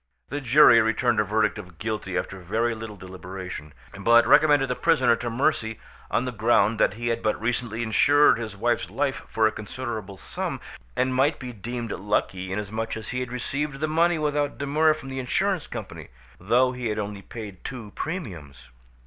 The jury returned a verdict of guilty after very little deliberation, but recommended the prisoner to mercy on the ground that he had but recently insured his wife's life for a considerable sum, and might be deemed lucky inasmuch as he had received the money without demur from the insurance company, though he had only paid two premiums.